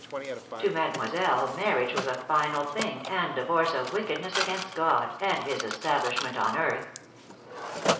To Mademoiselle marriage was a final thing and divorce a wickedness against God and His establishment on earth.